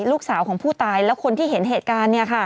ลูกสาวของผู้ตายและคนที่เห็นเหตุการณ์